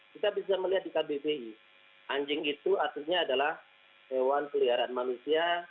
kita bisa melihat di kbbi anjing itu artinya adalah hewan peliharaan manusia